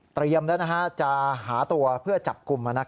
เตรียมแล้วจะหาตัวเพื่อจับกลุ่ม